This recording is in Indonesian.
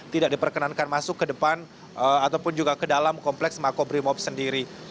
tidak diperkenankan masuk ke depan ataupun juga ke dalam kompleks makobrimob sendiri